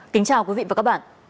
kính chào quý vị và các bạn